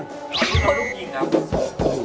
นี่เคยครับรูปยิงท้า